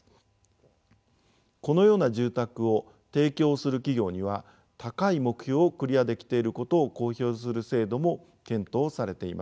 このような住宅を提供する企業には高い目標をクリアできていることを公表する制度も検討されています。